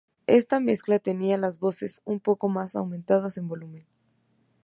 Esta mezcla tenía las voces un poco más aumentadas en volumen.